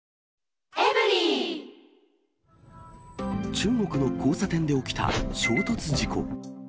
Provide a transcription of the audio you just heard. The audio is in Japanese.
中国の交差点で起きた衝突事故。